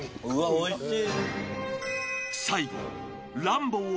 おいしい！